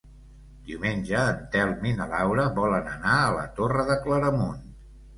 Diumenge en Telm i na Laura volen anar a la Torre de Claramunt.